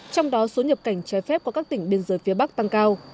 trong đó số nhập cảnh trái phép qua các tỉnh biên giới phía bắc tăng cao